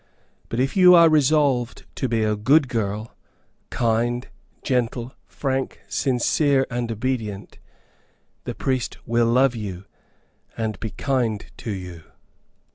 But if you are resolved to be a good girl, kind, gentle, frank, sincere, and obedient, the priest will love you, and be kind to you."